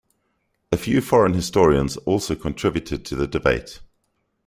A few foreign historians also contributed to the debate.